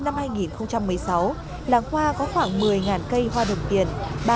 tết bính thân năm hai nghìn một mươi sáu làng hoa có khoảng một mươi cây hoa đồng tiền